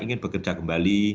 ingin bekerja kembali